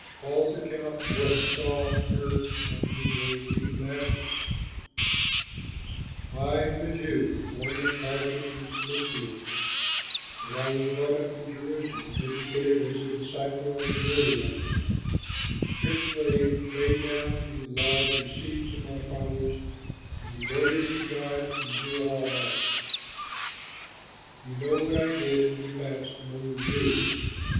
PAUL'S ACCOUNT OF WHAT HE SAW AND HEARD ON HIS WAY TO DAMASCUS I am a Jew, born at Tarsus in Cilicia, but I was brought up in Jerusalem, educated as a disciple of Gamaliel in the strict way laid down in the laws received from our fathers, and devoted to God, as you all are. You know what I did in the past among the Jews.